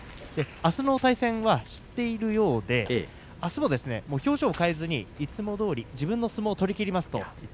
あすの対戦は知っているようであすは表情を変えずにいつもどおり自分の相撲を取りきります